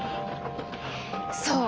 そう！